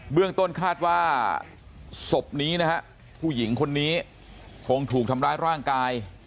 เรื่องต้นคาดว่าศพนี้นะฮะผู้หญิงคนนี้คงถูกทำร้ายร่างกาย